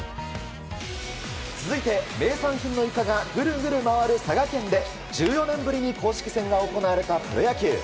続いて、名産品のイカがぐるぐる回る佐賀県で、１４年ぶりに公式戦が行われたプロ野球。